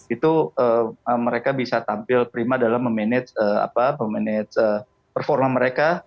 itu mereka bisa tampil prima dalam memanage memanage performa mereka